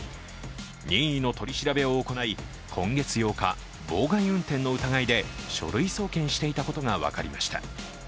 任意の取り調べを行い今月８日妨害運転の疑いで書類送検していたことが分かりました。